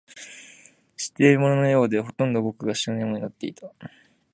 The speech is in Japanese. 知っているもののようで、ほとんどが僕の知らないものになっていた